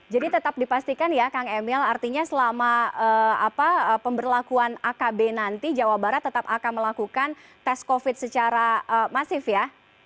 jadi tetap dipastikan ya kang emil artinya selama pemberlakuan akb nanti jawa barat tetap akan melakukan tes covid secara masif ya